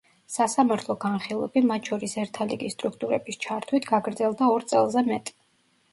სასამართლო განხილვები, მათ შორის ერთა ლიგის სტრუქტურების ჩართვით, გაგრძელდა ორ წელზე მეტი.